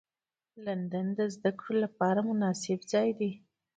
لندن د زدهکړو لپاره مناسب ځای دی